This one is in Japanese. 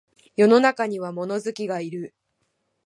世の中には物好きがいる